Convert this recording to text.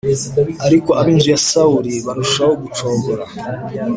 ariko ab’inzu ya Sawuli barushaho gucogora.